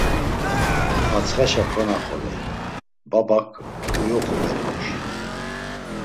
Patsxaşa konaxoley, babak uyoxu beremuşi.